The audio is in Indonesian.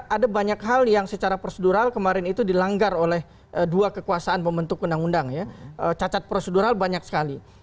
ada banyak hal yang secara prosedural kemarin itu dilanggar oleh dua kekuasaan pembentuk undang undang ya cacat prosedural banyak sekali